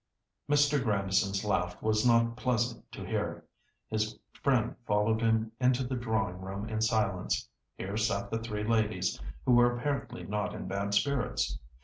Mr. Grandison's laugh was not pleasant to hear. His friend followed him into the drawing room in silence. Here sat the three ladies, who were apparently not in bad spirits.